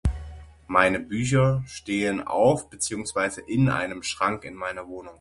Meine Bücher stehen auf, beziehungsweise in einem Schrank in meiner Wohnung.